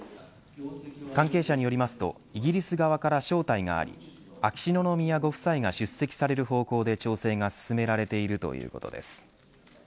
関係者によりますとイギリス側から招待があり秋篠宮ご夫妻が出席される方向で調整が進められているということです。